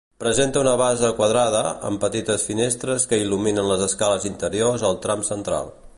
Presenta una base quadrada, amb petites finestres que il·luminen les escales interiors al tram central.